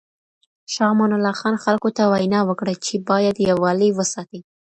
شاه امان الله خان خلکو ته وینا وکړه، چې باید یووالی وساتئ.